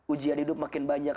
ujian hidup makin banyak